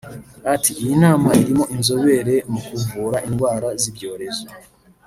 Ati″ Iyi nama irimo inzobere mu kuvura indwara z’ibyorezo